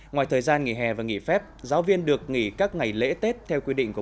ngoài thời gian nghỉ hè và nghỉ phép giáo viên được nghỉ các ngày lễ tết theo quy định của